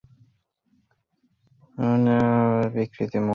মুখ বিকৃত করল, যেন তিক্ত স্বাদের কিছু মুখে চলে গিয়েছে।